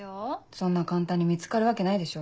そんな簡単に見つかるわけないでしょ。